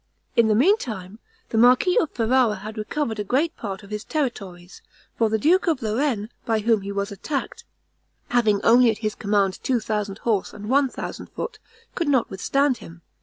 In the meantime, the marquis of Ferrara had recovered a great part of his territories; for the duke of Lorraine, by whom he was attacked, having only at his command two thousand horse and one thousand foot, could not withstand him.